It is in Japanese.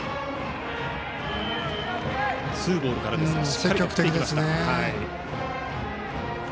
ツーボールからですが積極的に振っていきました。